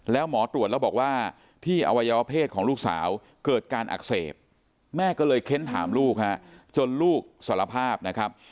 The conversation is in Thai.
แล้วหมอตรวจแล้วบอกว่าที่อวัยวะเพศของลูกสาวเกิดการอักเสบแม่ก็เลยเค้นถามลูกฮะจนลูกสารภาพนะครับ